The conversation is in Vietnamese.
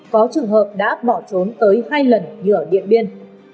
có trường hợp đã bỏ trốn tới hai lần như ở điện biên